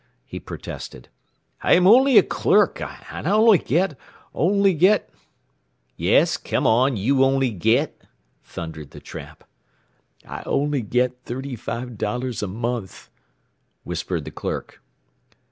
he protested. "I'm only a clerk. And I only get only get " "Yes, come on! You only get?" thundered the tramp. "I only get thirty five dollars a month," whispered the clerk.